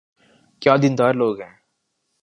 کیا دین دار لوگ ہیں۔